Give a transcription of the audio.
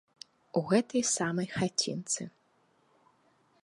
У гэтай самай хацінцы.